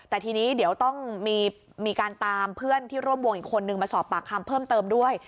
แต่ทีนี้เดี๋ยวต้องมีการตามเพื่อนที่ร่วมวงอีกคนนึงมาสอบปากคำเพิ่มเติมด้วย